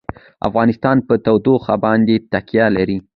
افغانستان په تودوخه باندې تکیه لري.